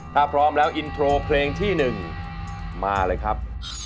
ถ้าพร้อมแล้วอินโทรเพลงที่๑มาเลยครับ